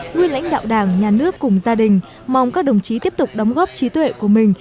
nguyên lãnh đạo đảng nhà nước cùng gia đình mong các đồng chí tiếp tục đóng góp trí tuệ của mình